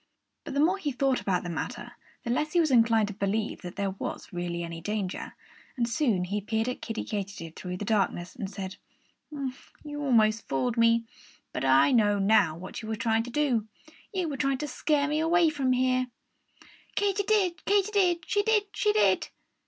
But the more he thought about the matter, the less he was inclined to believe that there was really any danger. And soon he peered at Kiddie Katydid through the darkness and said: "You almost fooled me. But I know now what you were trying to do. You were trying to scare me away from here!" "_Katy did, Katy did; she did, she did!